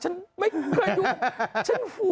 ชั้นไม่เคยดู